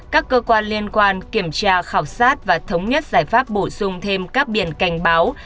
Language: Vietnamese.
các cơ quan liên quan kiểm tra khảo sát và thống nhất giải pháp bổ sung thêm các biển cảnh báo